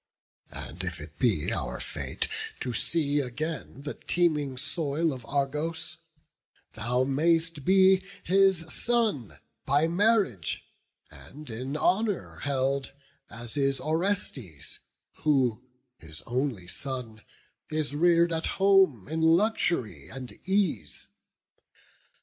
And if it be our fate to see again The teeming soil of Argos, thou mayst be His son by marriage, and in honour held As is Orestes, who, his only son, Is rear'd at home in luxury, and ease.